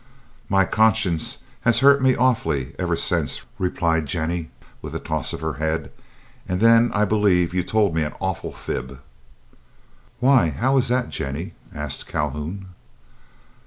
"My conscience has hurt me awfully ever since," replied Jennie, with a toss of her head; "and then I believe you told me an awful fib." "Why, how is that, Jennie?" asked Calhoun.